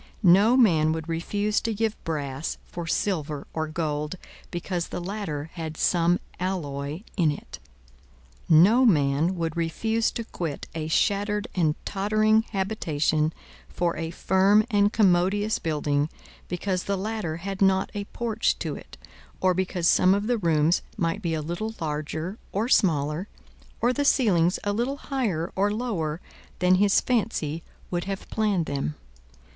No man would refuse to give brass for silver or gold, because the latter had some alloy in it. No man would refuse to quit a shattered and tottering habitation for a firm and commodious building, because the latter had not a porch to it, or because some of the rooms might be a little larger or smaller, or the ceilings a little higher or lower than his fancy would have planned them.